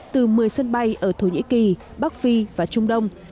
từ một mươi sân bay ở thổ nhĩ kỳ bắc phi và trung đông